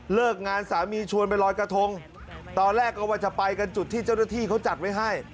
เลิกงานสามีชวนไปลอยกระทงตอนแรกก็ว่าจะไปกันจุดที่เจ้าหน้าที่เขาจัดไว้ให้